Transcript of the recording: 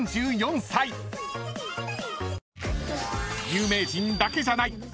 ［有名人だけじゃない。